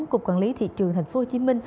cục quản lý thị trường tp hcm